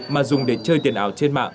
mà dùng để chơi tiền ảo trên mạng